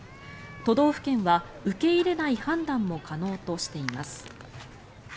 都道府県は受け入れない判断も可能としています。